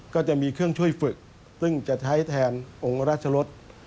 ก็จะมีเครื่องช่วยฝึกซึ่งจะใช้แทนองค์ราชรส